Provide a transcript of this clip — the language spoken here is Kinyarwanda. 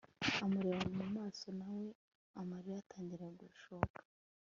amureba mumaso nawe amarira atangira gushoka